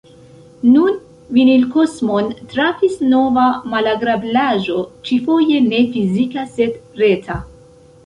Nun Vinilkosmon trafis nova malagrablaĵo, ĉi-foje ne fizika sed reta.